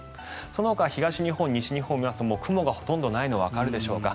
そのほか、東日本、西日本も雲がほとんどないのがわかるでしょうか。